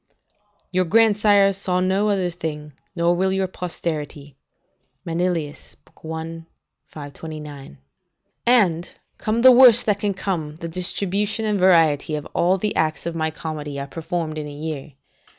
["Your grandsires saw no other thing; nor will your posterity." Manilius, i. 529.] "And, come the worst that can come, the distribution and variety of all the acts of my comedy are performed in a year.